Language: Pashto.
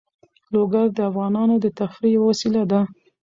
لوگر د افغانانو د تفریح یوه وسیله ده.